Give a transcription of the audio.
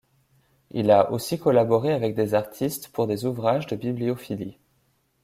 Il a aussi collaboré avec des artistes pour des ouvrages de bibliophilie.